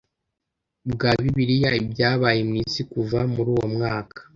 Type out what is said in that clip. bwa Bibiliya Ibyabaye mu isi kuva muri uwo mwaka